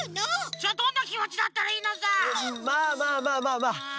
じゃあどんなきもちだったらいいのさ！まあまあまあまあまあ！